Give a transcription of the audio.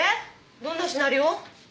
どんなシナリオ？